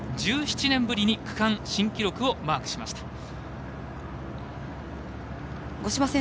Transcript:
１７年ぶりに区間新記録をマークしました。